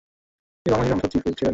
তিনি বাংলাদেশের সংসদে চিফ হুইপ ছিলেন।